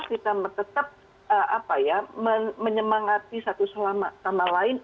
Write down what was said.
kita tetap apa ya menyemangati satu sama lain